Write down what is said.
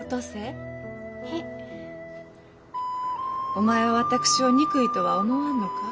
お前は私を憎いとは思わんのか？